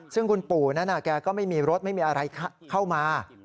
ซึ่งคุณปู่นั้นแกก็ไม่มีรถไม่มีอะไรเข้ามา